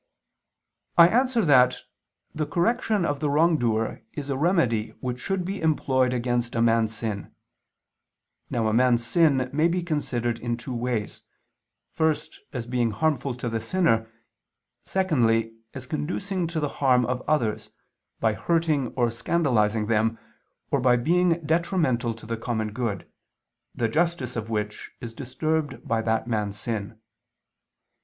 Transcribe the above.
I answer that, The correction of the wrongdoer is a remedy which should be employed against a man's sin. Now a man's sin may be considered in two ways, first as being harmful to the sinner, secondly as conducing to the harm of others, by hurting or scandalizing them, or by being detrimental to the common good, the justice of which is disturbed by that man's sin.